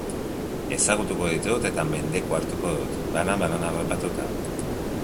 Ezagutuko ditut, eta mendeku hartuko dut, bananbanan harrapatuta.